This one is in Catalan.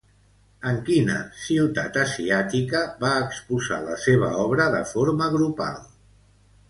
En quina ciutat asiàtica va exposar la seva obra de forma grupal?